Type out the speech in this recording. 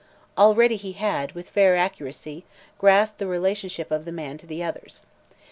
Already he had, with fair accuracy, grasped the relationship of the man to the others.